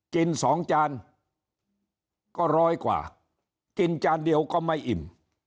กิน๒จานก็ร้อยกว่ากินจานเดียวก็ไม่อิ่ม